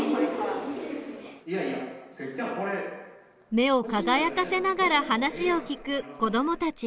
目を輝かせながら話を聞く子どもたち。